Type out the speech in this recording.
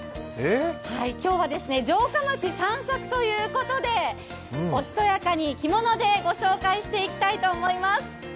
今日は城下町散策ということで、おしとやかに着物でご紹介していきたいと思います。